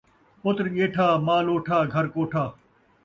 پتر ڄیٹھا، مال اوٹھا، گھر کوٹھا